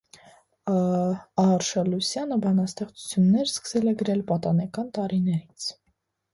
Ա.Արշալույսյանը բանաստեղծություններ սկսել է գրել պատանեկան տարիներից։